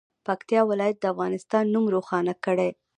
پکتیکا ولایت د افغانستان نوم روښانه کړي.